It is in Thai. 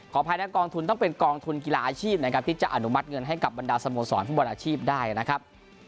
อภัยนะกองทุนต้องเป็นกองทุนกีฬาอาชีพนะครับที่จะอนุมัติเงินให้กับบรรดาสโมสรฟุตบอลอาชีพได้นะครับ